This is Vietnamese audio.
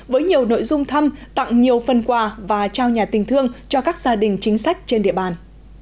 với nhiều nội dung thăm tặng nhiều phần quà và trao nhà tình thương cho các gia đình chính sách trên địa bàn